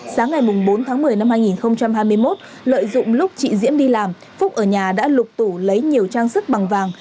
sáng ngày bốn tháng một mươi năm hai nghìn hai mươi một lợi dụng lúc chị diễm đi làm phúc ở nhà đã lục tủ lấy nhiều trang sức bằng vàng